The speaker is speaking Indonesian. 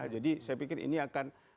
jadi saya pikir ini akan